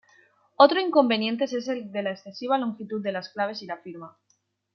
Otro inconvenientes es el de la excesiva longitud de las claves y la firma.